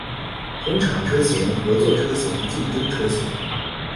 同厂车型合作车型竞争车型